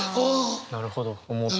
なるほど。